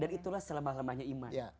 dan itulah selamah lamahnya iman